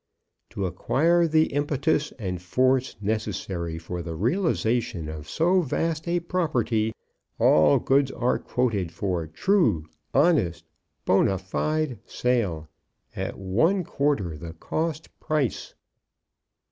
To acquire the impetus and force necessary for the realization of so vast a property, all goods are quoted for TRUE, HONEST, BONA FIDE SALE at One Quarter the Cost Price.